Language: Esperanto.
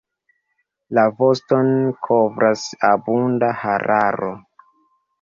La voston kovras abunda hararo.